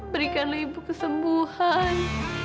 berikanlah ibu kesembuhan